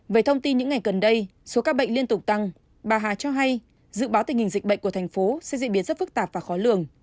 về thông tin những ngày gần đây số ca bệnh liên tục tăng bà hà cho hay dự báo tình hình dịch bệnh của thành phố sẽ diễn biến rất phức tạp và khó lường